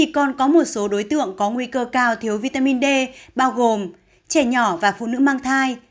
còn có một số đối tượng có nguy cơ cao thiếu vitamin d bao gồm trẻ nhỏ và phụ nữ mang thai